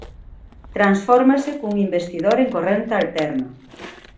Transfórmase cun investidor en corrente alterna.